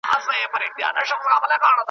سترگـــې راواړوه خمار مې کړه بل جام نه څښمه